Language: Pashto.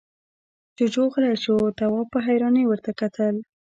جُوجُو غلی شو، تواب په حيرانۍ ورته کتل…